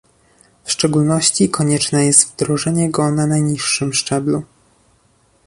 W szczególności konieczne jest wdrożenie go na najniższym szczeblu